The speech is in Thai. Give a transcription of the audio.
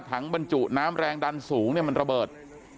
บรรจุน้ำแรงดันสูงเนี่ยมันระเบิด